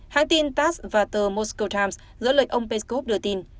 hãng tin tass và tờ moscow times giữa lệch ông peskov đưa tin